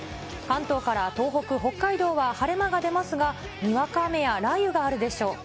関東から東北、北海道は晴れ間が出ますが、にわか雨や雷雨があるでしょう。